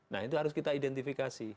nah itu harus kita identifikasi